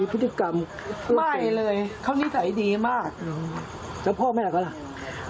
ปู่ย่านั้นก็ออกไปทำงานครับ